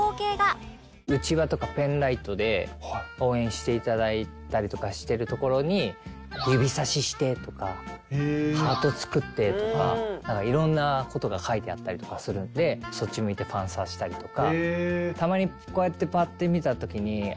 うちわとかペンライトで応援していただいたりとかしてるところに「指さしして」とか「ハートつくって」とかいろんな事が書いてあったりとかするんでそっち向いてファンサしたりとか。